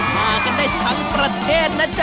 มากันได้ทั้งประเทศนะจ๊